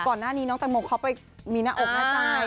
ก่อนหน้านี้น้องแตงโมเขาไปมีหน้าอกหน้าใจ